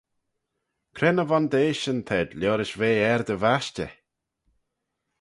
Cre ny vondeishyn t'ayd liorish ve er dty vashtey?